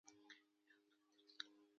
نو ورسره سم د توکو بیه هم پورته خیژي